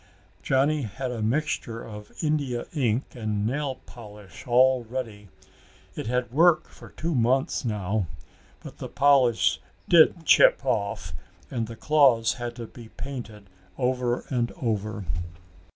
Johnny had a mixture of india ink and nail polish all ready. It had worked for two months now. But the polish did chip off and the claws had to be painted over and over.